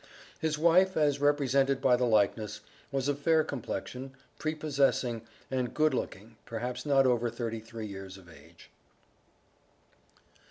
His wife, as represented by the likeness, was of fair complexion, prepossessing, and good looking perhaps not over thirty three years of age.